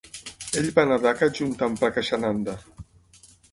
Ell va anar a dhaka junt amb Prakashananda.